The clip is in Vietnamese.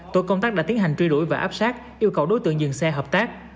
tổ công tác đã tiến hành truy đuổi và áp sát yêu cầu đối tượng dừng xe hợp tác